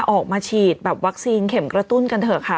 ออกมาฉีดแบบวัคซีนเข็มกระตุ้นกันเถอะค่ะ